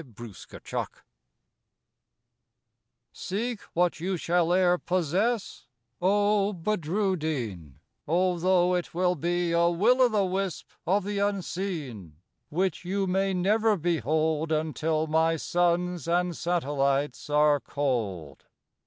67 BADRUDDIN Seek what you shall e'er possess, O Badruddin, Although it be a will o' the wisp Of the Unseen, Which you may never behold Until my suns and satellites are cold.